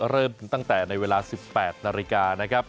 เริ่มตั้งแต่ในเวลา๑๘นาฬิกานะครับ